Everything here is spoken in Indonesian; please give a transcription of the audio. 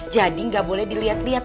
jadi gak boleh dilihat lihat